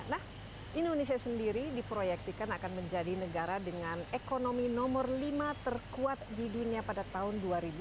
nah indonesia sendiri diproyeksikan akan menjadi negara dengan ekonomi nomor lima terkuat di dunia pada tahun dua ribu dua puluh